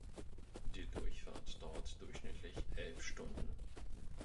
Die Durchfahrt dauert durchschnittlich elf Stunden.